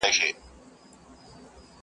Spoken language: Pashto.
زوی یې وویل غم مه کوه بابکه؛